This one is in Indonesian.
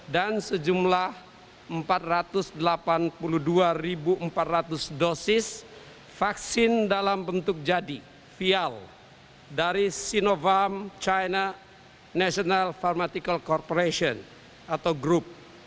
dan sejumlah empat ratus delapan puluh dua empat ratus dosis vaksin dalam bentuk jadi vial dari sinovac china national pharmaceutical corporation atau gru